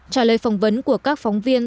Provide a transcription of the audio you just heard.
trả lời phỏng vấn của các phóng viên